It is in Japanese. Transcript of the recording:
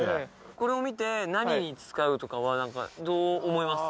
これを見て何に使うとかはどう思います？